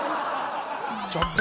ちょっと！